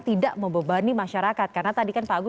tidak membebani masyarakat karena tadi kan pak agus